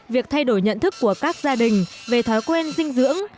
việc thay đổi nhận thức của các gia đình về thói quen dinh dưỡng